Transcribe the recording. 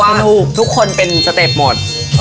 เพราะว่าทุกคนเป็นสเต็ปหมด